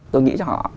tôi nghĩ cho họ